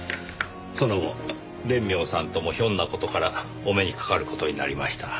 その後蓮妙さんともひょんな事からお目にかかる事になりました。